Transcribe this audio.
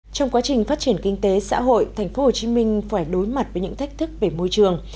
trong quá trình phát triển kinh tế xã hội thành phố hồ chí minh phải đối mặt với những thách thức về môi trường